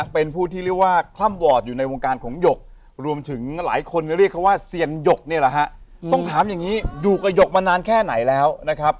เป็นผู้ที่เรียกว่าคล่ำวอร์ดอยู่ในวงการของหยกรวมถึงหลายคนก็เรียกเขาว่าเซียนหยกเนี่ยแหละฮะต้องถามอย่างนี้อยู่กับหยกมานานแค่ไหนแล้วนะครับ